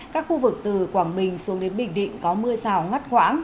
các khu vực từ quảng bình xuống đến bình định có mưa rào ngắt quãng